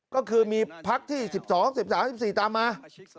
ก็คือมีพักที่๑๒๑๓๑๔ตามมา